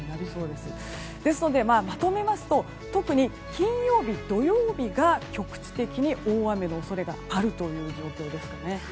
ですので、まとめますと特に金曜日、土曜日が局地的に大雨の恐れがあるという状況ですね。